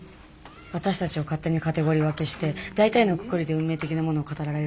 私たちを勝手にカテゴリー分けして大体のくくりで運命的なものを語られるじゃん？